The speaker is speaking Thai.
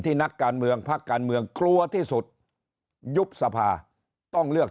นักการเมืองพักการเมืองกลัวที่สุดยุบสภาต้องเลือก